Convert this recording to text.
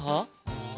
え？